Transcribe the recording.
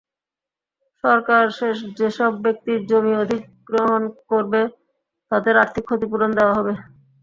সরকার যেসব ব্যক্তির জমি অধিগ্রহণ করবে, তাদের আর্থিক ক্ষতিপূরণ দেওয়া হবে।